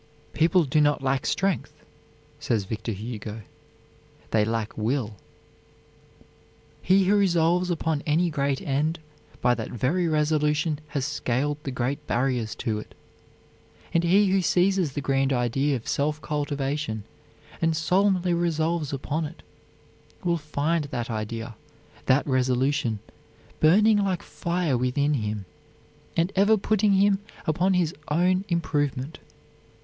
"People do not lack strength," says Victor Hugo, "they lack will." "He who resolves upon any great end, by that very resolution has scaled the great barriers to it, and he who seizes the grand idea of self cultivation, and solemnly resolves upon it, will find that idea, that resolution, burning like fire within him, and ever putting him upon his own improvement.